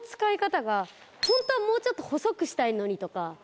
ホントはもうちょっと細くしたいのにとか。